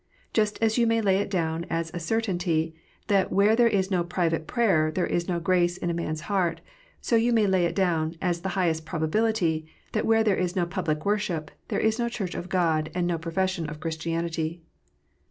Just as you may lay it down, as a certainty, that where there is no private prayer there is no grace in a man s heart, so you may lay it down, as the highest probability, that where there is no public worship there is no Church of God, and no profession of Christianity.